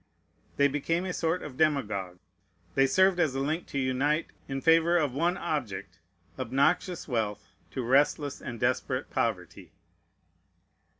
They became a sort of demagogues. They served as a link to unite, in favor of one object, obnoxious wealth to restless and desperate poverty.